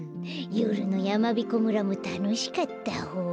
よるのやまびこ村もたのしかったホー。